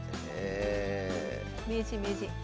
名人名人。